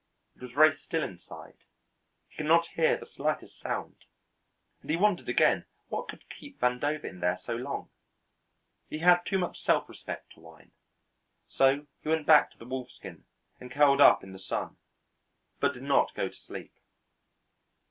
It was very still inside; he could not hear the slightest sound, and he wondered again what could keep Vandover in there so long. He had too much self respect to whine, so he went back to the wolfskin and curled up in the sun, but did not go to sleep.